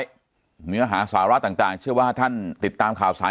กันเรียบร้อยเมื่อหาสาระต่างเชื่อว่าท่านติดตามข่าวสาร